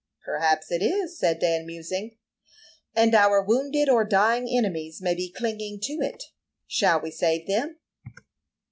"Perhaps it is," said Dan, musing. "And our wounded or dying enemies may be clinging to it. Shall we save them?"